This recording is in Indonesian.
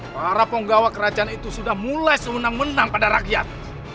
para penggawa kerajaan itu sudah mulai sewenang wenang pada rakyat